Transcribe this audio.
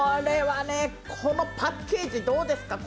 このパッケージどうですか？